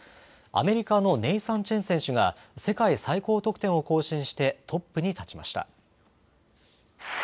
アメリカのネイサン・チェン選手が世界最高得点を更新してトップに立ちました。